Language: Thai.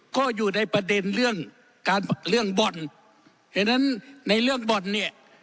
ก็อยู่ในประเด็นเรื่องการเรื่องบ่อนฉะนั้นในเรื่องบ่อนเนี่ย